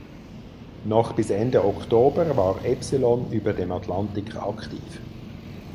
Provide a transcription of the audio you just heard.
Noch bis Ende Oktober war Epsilon über dem Atlantik aktiv.